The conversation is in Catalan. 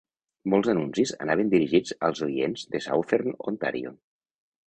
Molts anuncis anaven dirigits als oients de Southern Ontario.